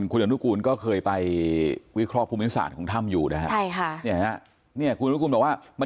คุณอนุกูลก็เคยไปวิเคราะห์ภูมิศาสตร์ของถ้ำอยู่นะครับ